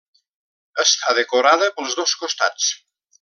Està decorada pels dos costats.